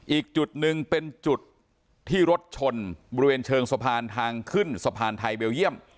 อีกจุดหนึ่งเป็นจุดที่รถชนบริเวณเชิงสะพานทางขึ้นสะพานไทยเบลเยี่ยม